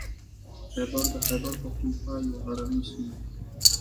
خیبر د خیبر پښتونخوا یوه غرنۍ سیمه ده.